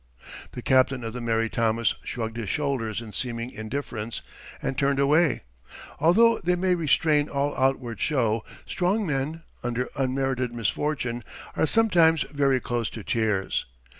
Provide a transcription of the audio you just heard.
The captain of the Mary Thomas shrugged his shoulders in seeming indifference, and turned away. Although they may restrain all outward show, strong men, under unmerited misfortune, are sometimes very close to tears.